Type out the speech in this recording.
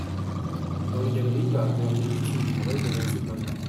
Dans les galeries, la réorganisation du travail donnait assez de mal.